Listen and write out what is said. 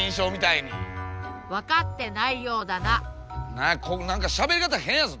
何や何かしゃべり方変やぞ。